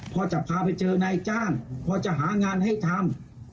พอจะพาไปเจอนายจ้างพอจะหางานให้ทำ